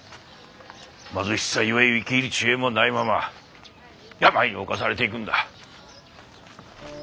貧しさゆえ生きる知恵もないまま病に侵されていくんだ。